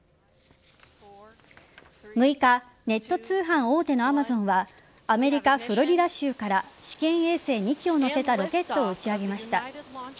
６日ネット通販大手のＡｍａｚｏｎはアメリカ・フロリダ州から試験衛星２期を載せたロケットを打ち上げました。